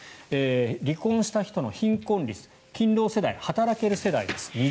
離婚した人の貧困率勤労世代、働ける世代です。